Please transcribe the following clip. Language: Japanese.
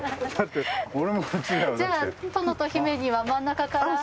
じゃあ殿と姫には真ん中から。